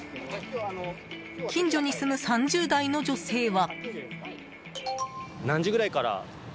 近所に住む３０代の女性は。